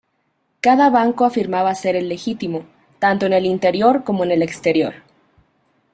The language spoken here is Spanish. Cada banco afirmaba ser el legítimo, tanto en el interior como en el exterior.